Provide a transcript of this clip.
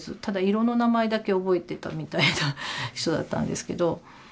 ただ色の名前だけ覚えていたみたいな人だったんですけど。